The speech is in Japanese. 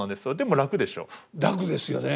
楽ですよね。